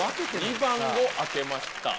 ２番を開けました。